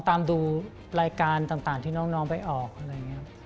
ตามดูรายการต่างที่น้องไปออกอะไรอย่างนี้ครับ